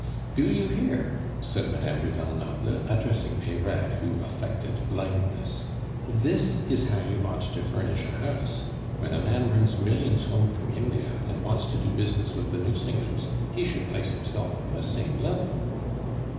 "Do you hear?" said Madame du Val Noble, addressing Peyrade, who affected blindness. "This is how you ought to furnish a house! When a man brings millions home from India, and wants to do business with the Nucingens, he should place himself on the same level."